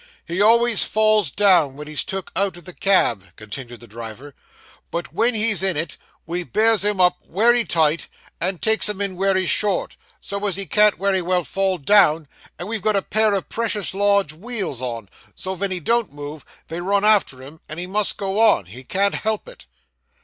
'He always falls down when he's took out o' the cab,' continued the driver, 'but when he's in it, we bears him up werry tight, and takes him in werry short, so as he can't werry well fall down; and we've got a pair o' precious large wheels on, so ven he does move, they run after him, and he must go on he can't help it.